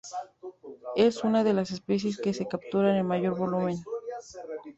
Es una de las especies que se capturan en mayor volumen.